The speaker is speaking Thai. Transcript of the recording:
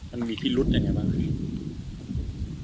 มันมีที่รวดอยู่อย่างไรบ้างครับ